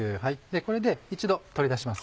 これで一度取り出します。